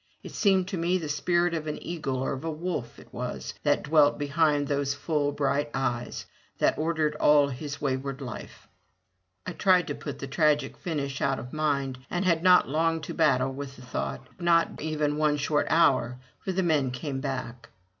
It seemed to me the spirit of an Eagle or a Wolf it was that dwelt behind those full bright eyes — that ordered all his wayward life. I tried to put the tragic finish out of mind, and had not long to battle with the thought; not even one short hour, for the men came back.